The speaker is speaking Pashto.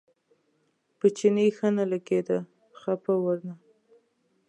په چیني ښه نه لګېده خپه و ورنه.